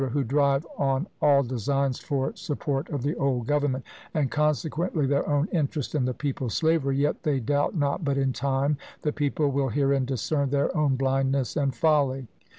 who drive on all designs for support of the old government, and consequently their own interest and the people's slavery, yet they doubt not but in time the people will herein discern their own blindness and folly."